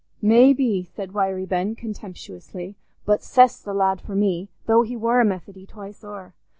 "Maybe," said Wiry Ben, contemptuously, "but Seth's the lad for me, though he war a Methody twice o'er.